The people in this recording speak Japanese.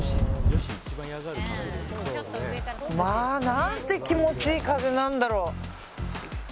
何て気持ちのいい風なんだろう。